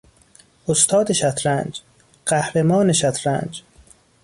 استاد شطرنج، قهرمان شطرنج